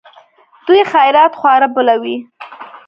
دوی خیرات خواره بلوي.